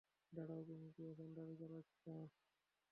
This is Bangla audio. দাঁড়াও, তুমি কি এখন গাড়ি চালাচ্ছো?